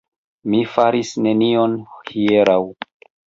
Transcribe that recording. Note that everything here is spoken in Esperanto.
Mi faris nenion hieraŭ.